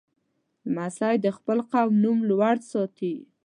لمسی د خپل قوم نوم لوړ ساتي.